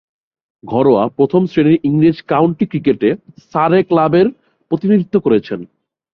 ঘরোয়া প্রথম-শ্রেণীর ইংরেজ কাউন্টি ক্রিকেটে সারে ক্লাবের প্রতিনিধিত্ব করেছেন।